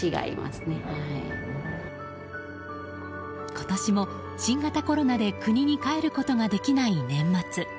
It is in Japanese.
今年も新型コロナで国に帰ることができない年末。